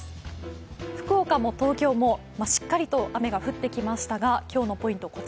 福岡も東京もしっかりと雨が降ってきましたが今日のポイント